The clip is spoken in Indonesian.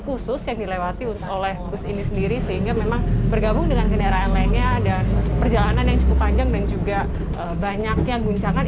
khusus yang dilewati oleh bus ini sendiri sehingga memang bergabung dengan kendaraan lainnya dan perjalanan yang cukup panjang dan juga banyaknya guncangan